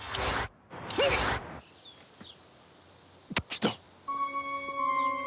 来た！